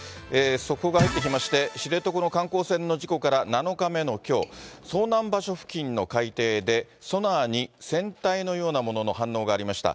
速報が入ってきまして、知床の観光船の事故から７日目のきょう、遭難場所付近の海底で、ソナーに船体のようなものの反応がありました。